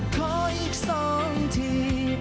ขออีกสองที